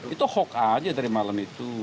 itu hok aja dari malam